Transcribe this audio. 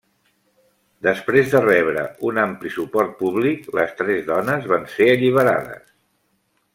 Després de rebre un ampli suport públic, les tres dones van ser alliberades.